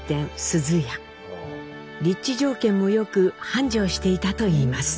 立地条件も良く繁盛していたと言います。